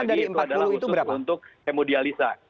karena dua lagi itu adalah khusus untuk hemodialisa